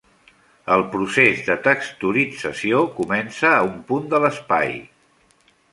El procés de texturització comença a un punt de l'espai.